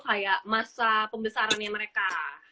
kayak masa pembesaran nya mereka